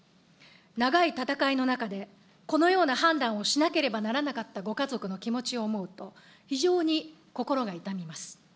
長い戦いの中で、このような判断をしなければならなかったご家族の気持ちを思うと、非常に心が痛みます。